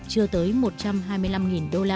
chưa tới một trăm hai mươi năm đô la